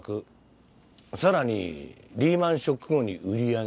さらにリーマン・ショック後に売り上げが激減。